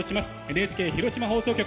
ＮＨＫ広島放送局